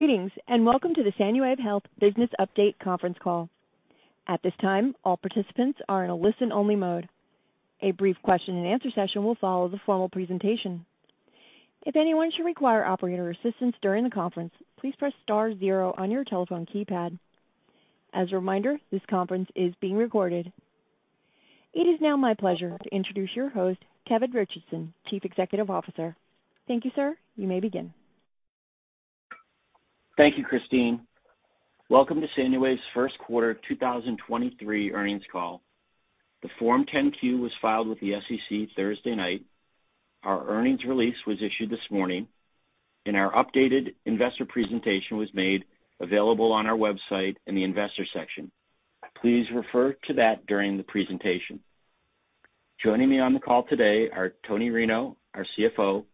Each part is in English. Greetings, welcome to the Sanuwave Health Business Update conference call. At this time, all participants are in a listen-only mode. A brief question and answer session will follow the formal presentation. If anyone should require operator assistance during the conference, please press star zero on your telephone keypad. As a reminder, this conference is being recorded. It is now my pleasure to introduce your host, Kevin Richardson, Chief Executive Officer. Thank you, sir. You may begin. Thank you, Christine. Welcome to Sanuwave's first quarter 2023 earnings call. The Form 10-Q was filed with the SEC Thursday night. Our earnings release was issued this morning, our updated investor presentation was made available on our website in the investor section. Please refer to that during the presentation. Joining me on the call today are Toni Rinow, our CFO,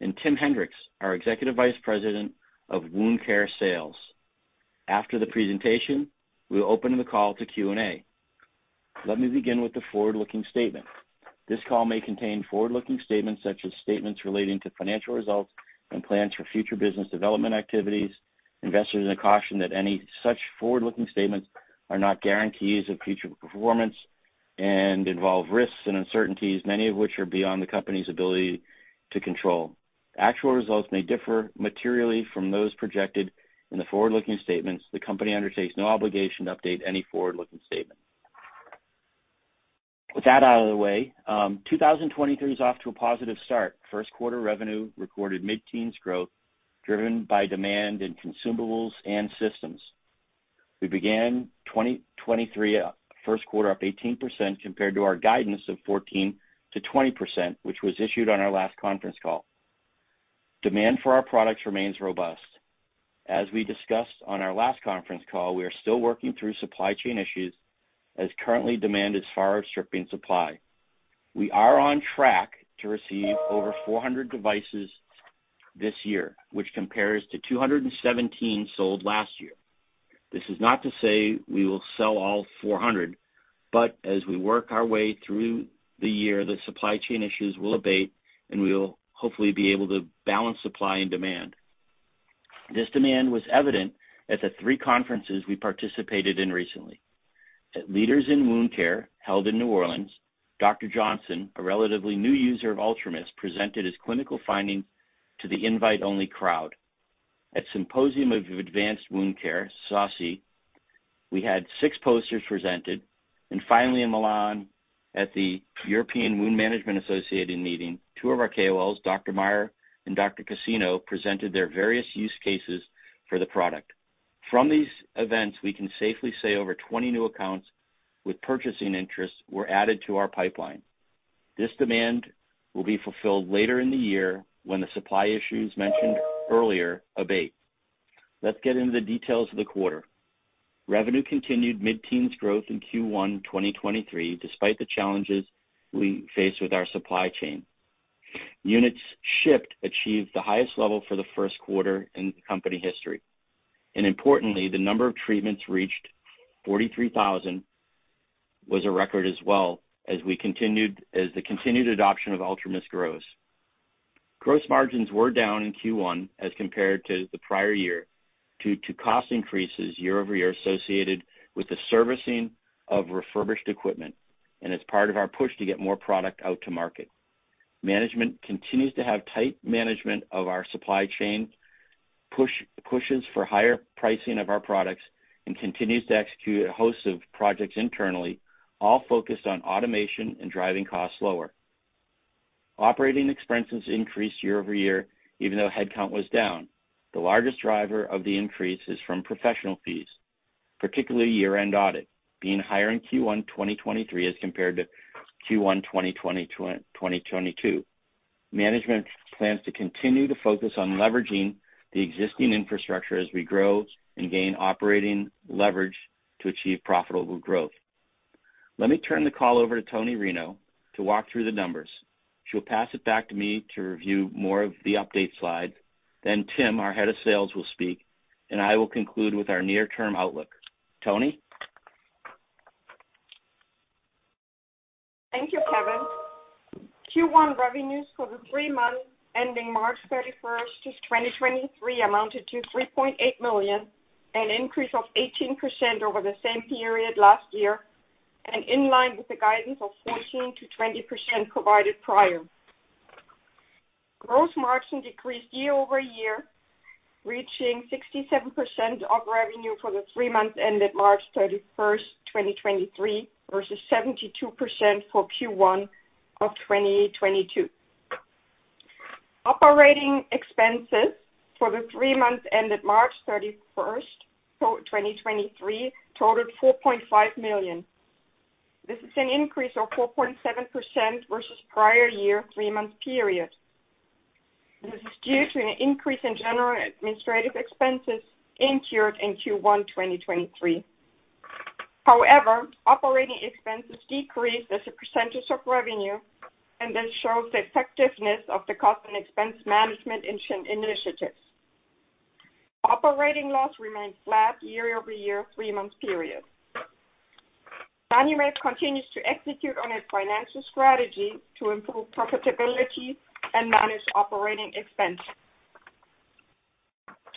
and Tim Hendricks, our Executive Vice President of Wound Care Sales. After the presentation, we'll open the call to Q&A. Let me begin with the forward-looking statement. This call may contain forward-looking statements such as statements relating to financial results and plans for future business development activities. Investors are cautioned that any such forward-looking statements are not guarantees of future performance and involve risks and uncertainties, many of which are beyond the company's ability to control. Actual results may differ materially from those projected in the forward-looking statements. The company undertakes no obligation to update any forward-looking statement. With that out of the way, 2023 is off to a positive start. First quarter revenue recorded mid-teens growth, driven by demand in consumables and systems. We began 2023, first quarter up 18% compared to our guidance of 14%-20%, which was issued on our last conference call. Demand for our products remains robust. As we discussed on our last conference call, we are still working through supply chain issues as currently demand is far outstripping supply. We are on track to receive over 400 devices this year, which compares to 217 sold last year. This is not to say we will sell all 400. As we work our way through the year, the supply chain issues will abate, and we will hopefully be able to balance supply and demand. This demand was evident at the three conferences we participated in recently. At Leaders in Wound Care, held in New Orleans, Dr. Johnson, a relatively new user of UltraMIST, presented his clinical findings to the invite-only crowd. At Symposium on Advanced Wound Care, SAWC, we had six posters presented. Finally, in Milan, at the European Wound Management Association meeting, two of our KOLs, Dr. Meyer and Dr. Cassino, presented their various use cases for the product. From these events, we can safely say over 20 new accounts with purchasing interests were added to our pipeline. This demand will be fulfilled later in the year when the supply issues mentioned earlier abate. Let's get into the details of the quarter. Revenue continued mid-teens growth in Q1 2023, despite the challenges we face with our supply chain. Units shipped achieved the highest level for the first quarter in company history. Importantly, the number of treatments reached 43,000 was a record as well as the continued adoption of UltraMIST grows. Gross margins were down in Q1 as compared to the prior year due to cost increases year-over-year associated with the servicing of refurbished equipment and as part of our push to get more product out to market. Management continues to have tight management of our supply chain, pushes for higher pricing of our products, and continues to execute a host of projects internally, all focused on automation and driving costs lower. OpEx increased year-over-year, even though headcount was down. The largest driver of the increase is from professional fees, particularly year-end audit being higher in Q1, 2023 as compared to Q1, 2022. Management plans to continue to focus on leveraging the existing infrastructure as we grow and gain operating leverage to achieve profitable growth. Let me turn the call over to Toni Rinow to walk through the numbers. She'll pass it back to me to review more of the update slides. Tim, our Head of Sales, will speak, and I will conclude with our near-term outlook. Toni? Thank you, Kevin. Q1 revenues for the three months ending March thirty-first, 2023 amounted to $3.8 million, an increase of 18% over the same period last year and in line with the guidance of 14%-20% provided prior. Gross margin decreased year-over-year, reaching 67% of revenue for the three months ended March thirty-first, 2023 versus 72% for Q1 of 2022. Operating expenses for the three months ended March thirty-first, 2023 totaled $4.5 million. This is an increase of 4.7% versus prior year three-month period. This is due to an increase in general administrative expenses incurred in Q1, 2023. Operating expenses decreased as a percentage of revenue, and this shows the effectiveness of the cost and expense management initiatives. Operating loss remained flat year-over-year three-month period. Sanuwave continues to execute on its financial strategy to improve profitability and manage operating expenses.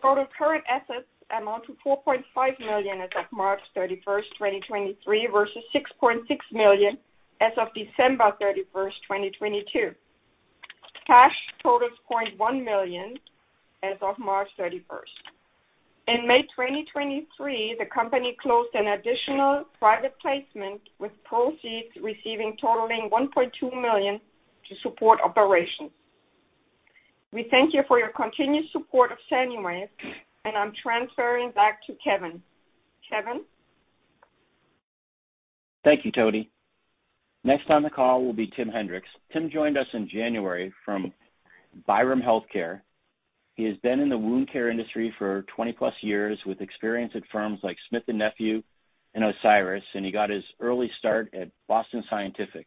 Total current assets amount to $4.5 million as of March 31, 2023, versus $6.6 million as of December 31, 2022. Cash totals $0.1 million as of March 31. In May 2023, the company closed an additional private placement with proceeds receiving totaling $1.2 million to support operations. We thank you for your continued support of Sanuwave, I'm transferring back to Kevin. Kevin? Thank you, Toni. Next on the call will be Tim Hendricks. Tim joined us in January from Byram Healthcare. He has been in the wound care industry for 20-plus years with experience at firms like Smith & Nephew and Osiris, and he got his early start at Boston Scientific.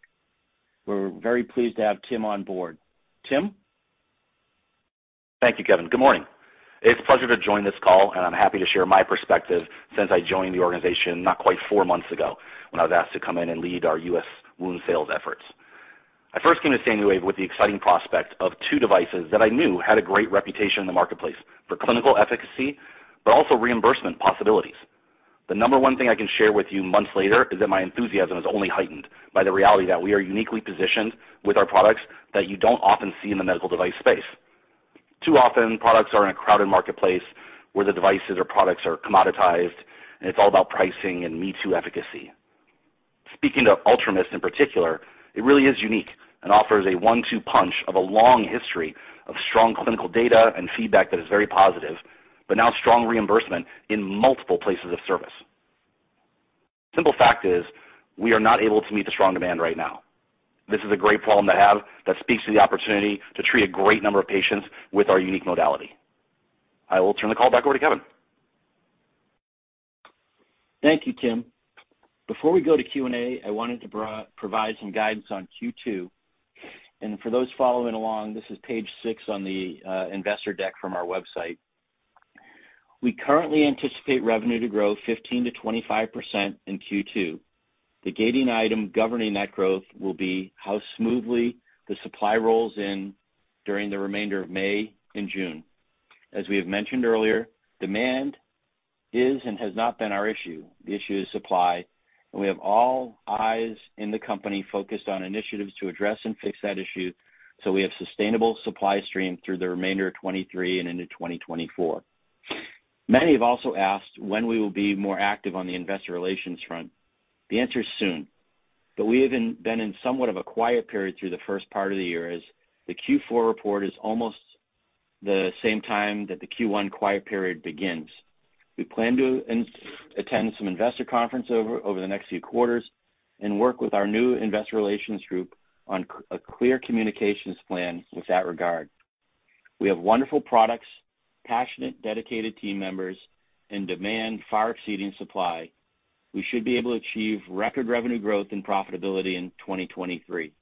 We're very pleased to have Tim on board. Tim? Thank you, Kevin. Good morning. It's a pleasure to join this call. I'm happy to share my perspective since I joined the organization not quite four months ago when I was asked to come in and lead our U.S. wound sales efforts. I first came to Sanuwave with the exciting prospect of two devices that I knew had a great reputation in the marketplace for clinical efficacy but also reimbursement possibilities. The number one thing I can share with you months later is that my enthusiasm is only heightened by the reality that we are uniquely positioned with our products that you don't often see in the medical device space. Too often products are in a crowded marketplace where the devices or products are commoditized. It's all about pricing and me-too efficacy. Speaking of UltraMIST in particular, it really is unique and offers a one-two punch of a long history of strong clinical data and feedback that is very positive, but now strong reimbursement in multiple places of service. Simple fact is we are not able to meet the strong demand right now. This is a great problem to have that speaks to the opportunity to treat a great number of patients with our unique modality. I will turn the call back over to Kevin. Thank you, Tim. Before we go to Q&A, I wanted to provide some guidance on Q2. For those following along, this is page six on the investor deck from our website. We currently anticipate revenue to grow 15%-25% in Q2. The gating item governing that growth will be how smoothly the supply rolls in during the remainder of May and June. As we have mentioned earlier, demand is and has not been our issue. The issue is supply, and we have all eyes in the company focused on initiatives to address and fix that issue, so we have sustainable supply stream through the remainder of 2023 and into 2024. Many have also asked when we will be more active on the investor relations front. The answer is soon. We have been in somewhat of a quiet period through the first part of the year as the Q4 report is almost the same time that the Q1 quiet period begins. We plan to attend some investor conference over the next few quarters and work with our new investor relations group on a clear communications plan with that regard. We have wonderful products, passionate, dedicated team members, and demand far exceeding supply. We should be able to achieve record revenue growth and profitability in 2023.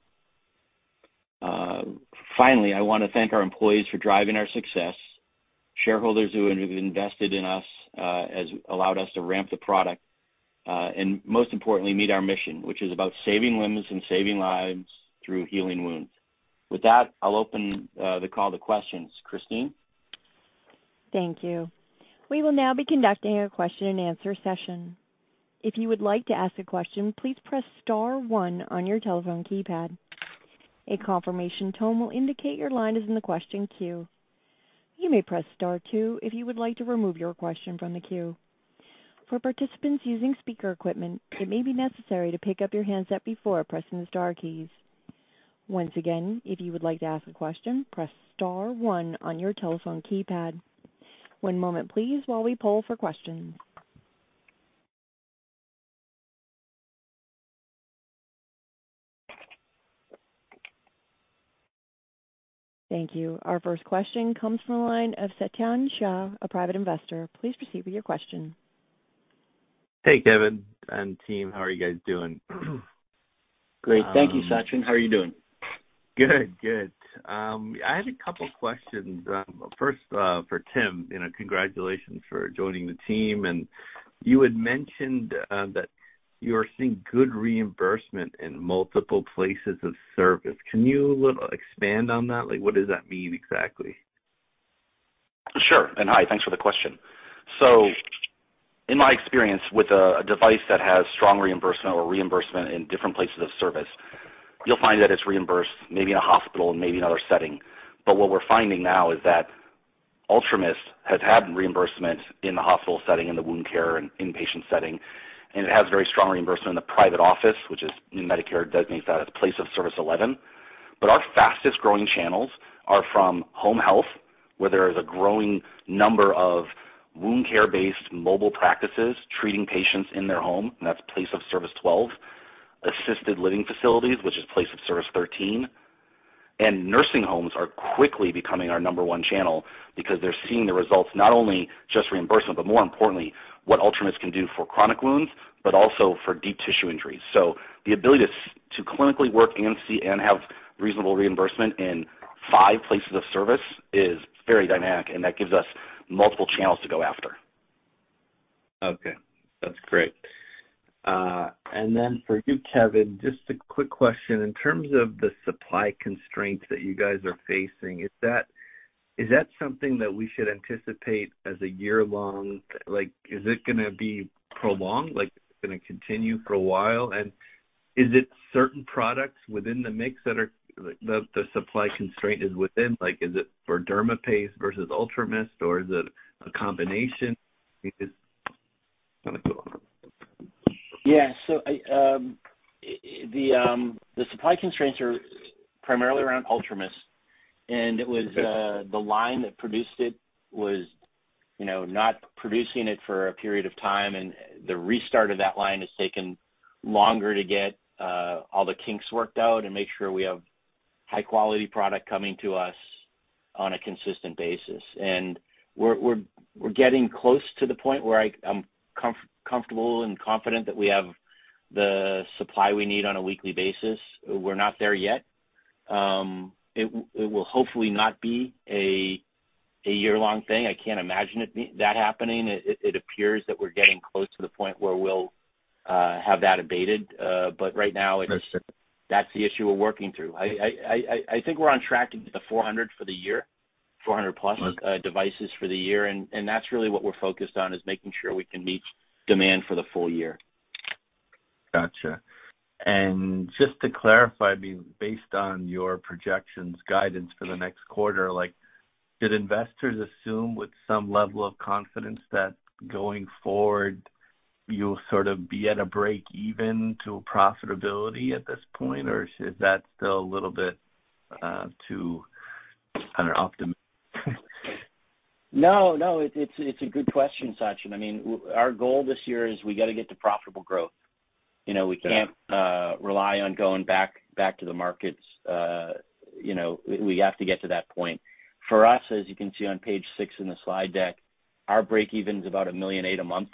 Finally, I wanna thank our employees for driving our success, shareholders who have invested in us, has allowed us to ramp the product, and most importantly, meet our mission, which is about saving limbs and saving lives through healing wounds. With that, I'll open the call to questions. Christine? Thank you. We will now be conducting a question and answer session. If you would like to ask a question, please press star one on your telephone keypad. A confirmation tone will indicate your line is in the question queue. You may press star two if you would like to remove your question from the queue. For participants using speaker equipment, it may be necessary to pick up your handset before pressing the star keys. Once again, if you would like to ask a question, press star one on your telephone keypad. One moment please while we poll for questions. Thank you. Our first question comes from the line of Satyan Shah, a private investor. Please proceed with your question. Hey, Kevin and team. How are you guys doing? Great. Thank you, Satyan. How are you doing? Good. Good. I had a couple questions. First, for Tim, you know, congratulations for joining the team. You had mentioned that you are seeing good reimbursement in multiple places of service. Can you little expand on that? Like, what does that mean exactly? Sure. Hi, thanks for the question. In my experience with a device that has strong reimbursement or reimbursement in different Places of Service, you'll find that it's reimbursed maybe in a hospital and maybe another setting. What we're finding now is that UltraMIST has had reimbursement in the hospital setting, in the wound care and inpatient setting, and it has very strong reimbursement in the private office, which is new Medicare designates that as Place of Service 11. Our fastest growing channels are from home health, where there is a growing number of wound care-based mobile practices treating patients in their home, and that's Place of Service 12, assisted living facilities, which is Place of Service 13. Nursing homes are quickly becoming our number one channel because they're seeing the results, not only just reimbursement, but more importantly, what UltraMISTs can do for chronic wounds, but also for deep tissue injuries. The ability to see To clinically work and see and have reasonable reimbursement in five places of service is very dynamic, and that gives us multiple channels to go after. Okay, that's great. Then for you, Kevin, just a quick question. In terms of the supply constraints that you guys are facing, is that something that we should anticipate as a year-long? Like, is it gonna be prolonged? Like, is it gonna continue for a while? Is it certain products within the mix that are, the supply constraint is within? Like, is it for dermaPACE versus UltraMIST or is it a combination? Because. Yeah. I, the supply constraints are primarily around UltraMIST. It was the line that produced it was, you know, not producing it for a period of time, the restart of that line has taken longer to get all the kinks worked out and make sure we have high quality product coming to us on a consistent basis. We're getting close to the point where I'm comfortable and confident that we have the supply we need on a weekly basis. We're not there yet. It will hopefully not be a year-long thing. I can't imagine that happening. It appears that we're getting close to the point where we'll have that abated. Right now it's- Understood. That's the issue we're working through. I think we're on track to get to $400 for the year, $400 plus.. Right. ...devices for the year, and that's really what we're focused on, is making sure we can meet demand for the full year. Gotcha. Just to clarify, I mean, based on your projections guidance for the next quarter, like, did investors assume with some level of confidence that going forward you'll sort of be at a break even to profitability at this point, or is that still a little bit, too, I don't know, optimists? No, no. It's a good question, Sachin. I mean, our goal this year is we gotta get to profitable growth. You know- Yeah. We can't rely on going back to the markets. You know, we have to get to that point. For us, as you can see on page six in the slide deck, our break even's about $1.8 million a month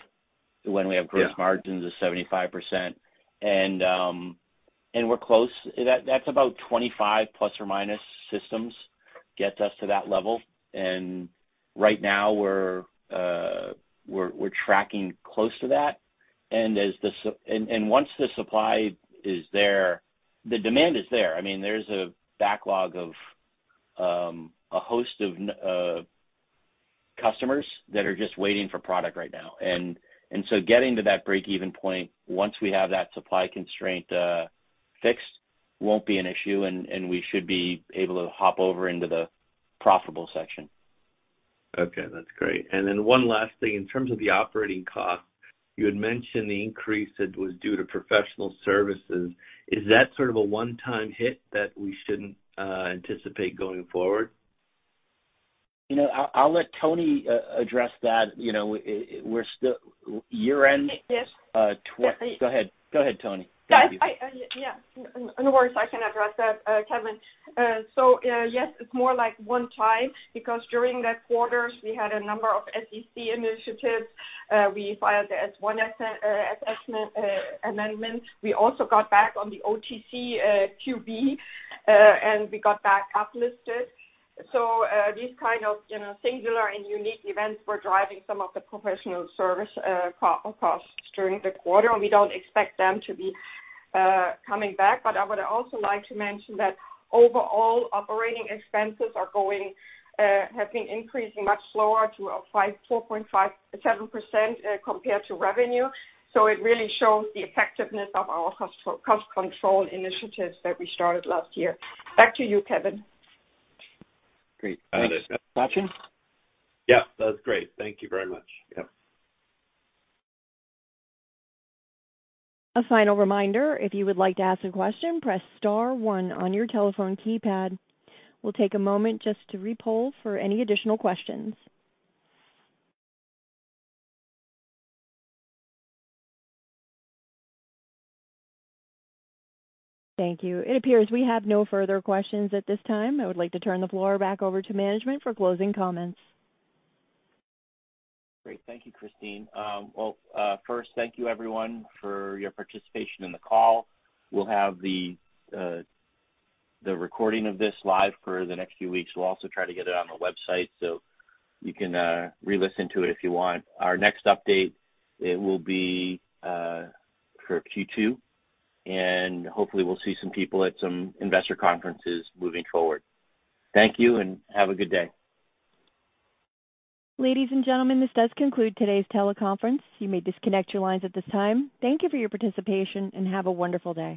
when we have Yeah. Gross margins of 75%. We're close. That's about 25 ± systems gets us to that level. Right now we're tracking close to that. Once the supply is there, the demand is there. I mean, there's a backlog of a host of customers that are just waiting for product right now. Getting to that break even point, once we have that supply constraint fixed, won't be an issue and we should be able to hop over into the profitable section. Okay, that's great. Then one last thing. In terms of the operating costs, you had mentioned the increase that was due to professional services. Is that sort of a one-time hit that we shouldn't anticipate going forward? You know, I'll let Toni address that. You know, we're still. Yes. Uh, twen- I- Go ahead. Go ahead, Toni. Thank you. Yeah. No worries. I can address that, Kevin. Yes, it's more like 1 time because during that quarters we had a number of SEC initiatives. We filed the S-1 as assessment amendment. We also got back on the OTCQB, and we got back up listed. These kind of, you know, singular and unique events were driving some of the professional service cost during the quarter, and we don't expect them to be coming back. I would also like to mention that overall operating expenses have been increasing much slower to a 4.57% compared to revenue. It really shows the effectiveness of our cost control initiatives that we started last year. Back to you, Kevin. Great. Thanks, Satyan Shah? Yeah. That's great. Thank you very much. Yep. A final reminder, if you would like to ask a question, press star one on your telephone keypad. We'll take a moment just to re-poll for any additional questions. Thank you. It appears we have no further questions at this time. I would like to turn the floor back over to management for closing comments. Great. Thank you, Christine. Well, first, thank you everyone for your participation in the call. We'll have the recording of this live for the next few weeks. We'll also try to get it on the website so you can re-listen to it if you want. Our next update, it will be for Q2. Hopefully, we'll see some people at some investor conferences moving forward. Thank you. Have a good day. Ladies and gentlemen, this does conclude today's teleconference. You may disconnect your lines at this time. Thank you for your participation, and have a wonderful day.